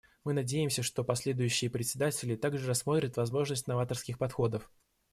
Мы надеемся, что последующие председатели также рассмотрят возможность новаторских подходов.